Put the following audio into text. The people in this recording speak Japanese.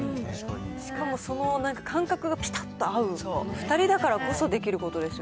しかもその感覚がぴたっと合う２人だからこそできることです